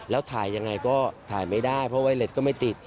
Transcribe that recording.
แล้วถ่ายยังไงก็ถ่ายไม่ได้เพราะไวเล็ตก็ไม่ติด